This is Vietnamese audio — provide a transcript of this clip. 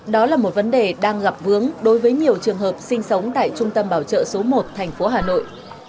đó là một vấn đề đang gặp vướng đối với nhiều trường hợp sinh sống tại trung tâm bảo trợ số một thành phố hà nội